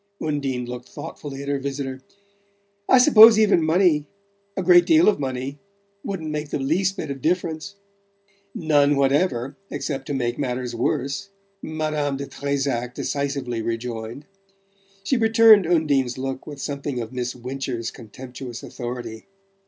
Undine looked thoughtfully at her visitor. "I suppose even money a great deal of money wouldn't make the least bit of difference?" "None whatever, except to make matters worse," Madame de Trezac decisively rejoined. She returned Undine's look with something of Miss Wincher's contemptuous authority.